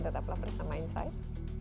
tetaplah bersama insight